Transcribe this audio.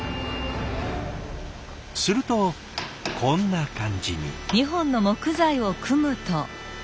するとこんな感じに。